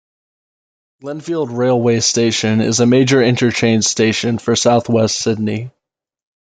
Glenfield railway station is a major interchange station for South-West Sydney.